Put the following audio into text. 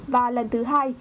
và lần thứ hai